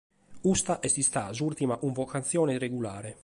Custa est istada s’ùrtima cunvocatzione regulare.